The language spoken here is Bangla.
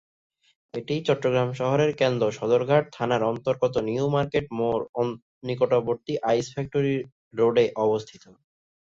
এটি চট্টগ্রাম শহরের কেন্দ্র সদরঘাট থানার অন্তর্গত নিউ মার্কেট মোড় নিকটবর্তী আইস্ ফ্যাক্টরী রোডে অবস্থিত।